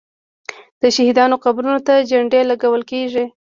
د شهیدانو قبرونو ته جنډې لګول کیږي.